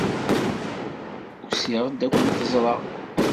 Usiɣ-d ad kent-ẓreɣ.